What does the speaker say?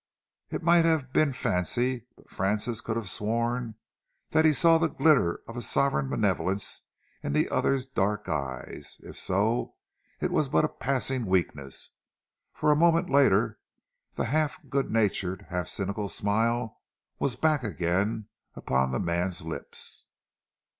It might have been fancy, but Francis could have sworn that he saw the glitter of a sovereign malevolence in the other's dark eyes. If so, it was but a passing weakness, for a moment later the half good natured, half cynical smile was back again upon the man's lips.